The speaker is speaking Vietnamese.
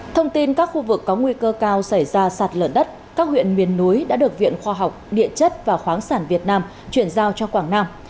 thông tin các khu vực có nguy cơ cao xảy ra sạt lở đất các huyện miền núi đã được viện khoa học địa chất và khoáng sản việt nam chuyển giao cho quảng nam